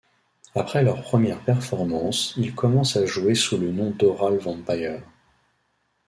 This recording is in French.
Après leur première performance, ils commencent à jouer sous le nom d'Aural Vampire.